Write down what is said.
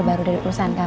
menjadi lawan nino